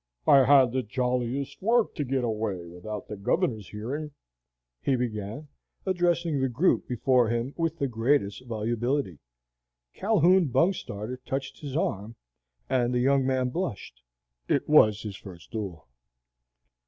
"I had the jolliest work to get away without the governor's hearing," he began, addressing the group before him with the greatest volubility. Calhoun Bungstarter touched his arm, and the young man blushed. It was his first duel.